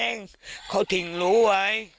ว่าเขาทิ้งลูมา